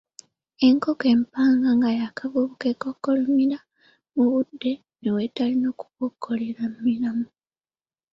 Enkoko empanga nga yaakavubuka ekookolimira n emubudde bw’etalina kukookolimiramu.